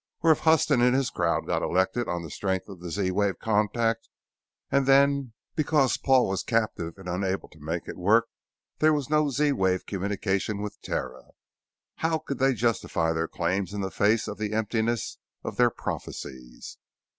Or, if Huston and his crowd got elected on the strength of the Z wave contact, and then because Paul was captive and unable to make it work, there was no Z wave communication with Terra. How could they justify their claims in the face of the emptiness of their prophecies?